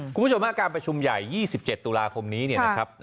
คุณผู้ชมการประชุมใหญ่๒๗ตุลาคมนี้เนี่ยนะครับ